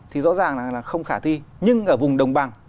thì rõ ràng là không khả thi nhưng ở vùng đồng bằng